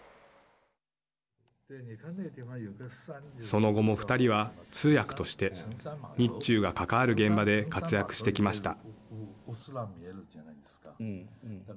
その後も２人は通訳として日中が関わる現場で活躍してきました。